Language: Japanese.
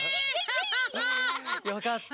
よかった。